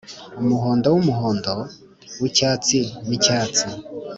umuhondo wumuhondo wicyatsi nicyatsi